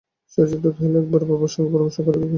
সুচরিতা কহিল, একবার বাবার সঙ্গে পরামর্শ করে দেখি।